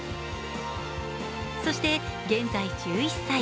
そして、現在１１歳。